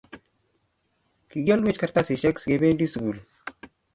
kikialwech kartasishek sikebendi sugul